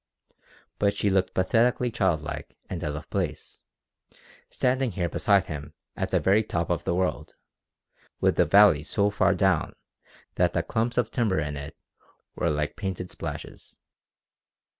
But she looked pathetically childlike and out of place, standing here beside him at the very top of the world, with the valley so far down that the clumps of timber in it were like painted splashes.